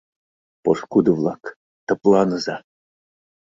— Пошкудо-влак, тыпланыза.